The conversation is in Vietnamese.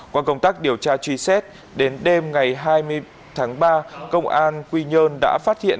qua công tác điều tra truy xét đến đêm ngày hai mươi tháng ba công an quy nhơn đã phát hiện